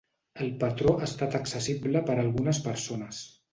El patró ha estat accessible per a algunes persones.